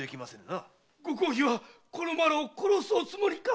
ご公儀はこの麻呂を殺すおつもりか？